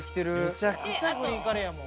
めちゃくちゃグリーンカレーやもん。